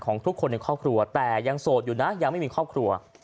ทุกคนในครอบครัวแต่ยังโสดอยู่นะยังไม่มีครอบครัว